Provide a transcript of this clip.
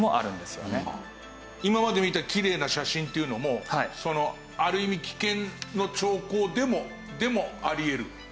今まで見たきれいな写真っていうのもある意味危険の兆候でもあり得る。